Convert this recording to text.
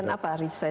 dan apa aris